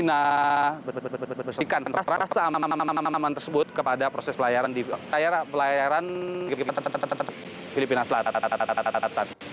nah berikan rasa amaman tersebut kepada proses pelayaran di perairan filipina selatan